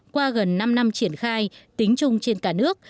qua gần năm năm triển khai tính chung trên cả nước